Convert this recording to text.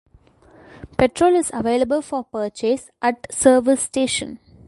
Petrol is available for purchase at the service station.